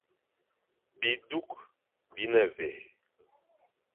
Bi duk bi ne vé ?